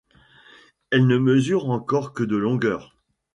Elle ne mesure encore que de longueur.